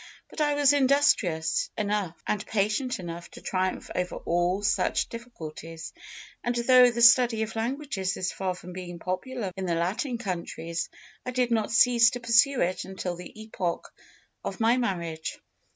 But I was industrious enough and patient enough to triumph over all such difficulties, and though the study of languages is far from being popular in the Latin countries, I did not cease to pursue it until the epoch of my marriage.